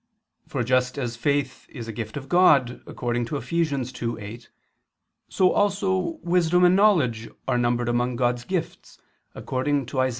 For just as faith is a gift of God according to Eph. 2:8, so also wisdom and knowledge are numbered among God's gifts according to Isa.